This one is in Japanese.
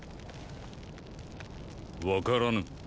分からぬ。